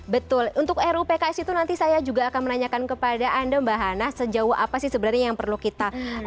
betul untuk ruu pks itu nanti saya juga akan menanyakan kepada anda mbak hana sejauh apa sih sebenarnya yang perlu kita